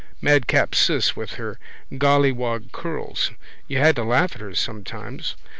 Madcap Ciss with her golliwog curls. You had to laugh at her sometimes.